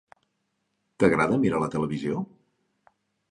T'agrada mirar la televisió?